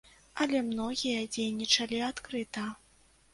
Але многія дзейнічалі адкрыта.